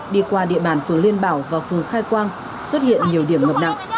đi qua địa bàn phường liên bảo và phường khai quang xuất hiện nhiều điểm ngập nặng